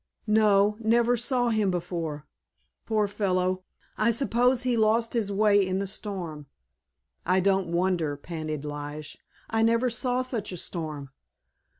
"No, never saw him before. Poor fellow, I suppose he lost his way in the storm." "I don't wonder," panted Lige; "I never saw such a storm.